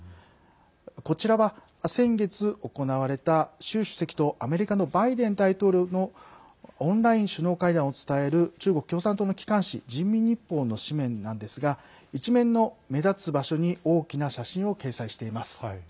こちらは先月、行われた習主席とアメリカのバイデン大統領のオンライン首脳会談を伝える中国共産党の機関紙人民日報の紙面なんですが１面の目立つ場所に大きな写真を掲載しています。